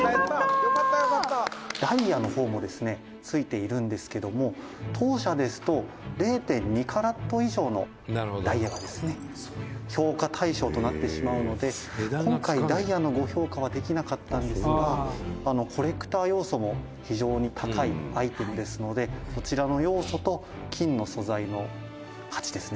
岩尾さん：「ダイヤの方もですね付いているんですけども当社ですと０．２カラット以上のダイヤがですね評価対象となってしまうので今回、ダイヤのご評価はできなかったんですがコレクター要素も非常に高いアイテムですのでそちらの要素と金の素材の価値ですね